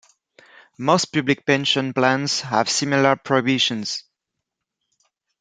Most public pension plans have similar prohibitions.